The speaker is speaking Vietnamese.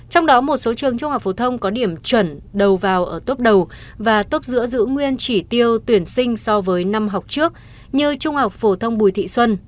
trong đó một số trường trung học phổ thông có điểm chuẩn đầu vào ở tốt đầu và tốt giữa giữ nguyên chỉ tiêu tuyển sinh so với năm học trước như trung học phổ thông bùi thị xuân